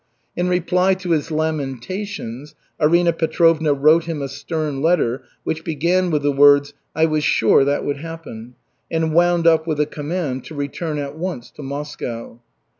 In reply to his lamentations, Arina Petrovna wrote him a stern letter which began with the words: "I was sure that would happen," and wound up with a command to return at once to Moscow.